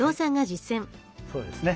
そうですね。